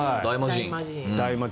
大魔神。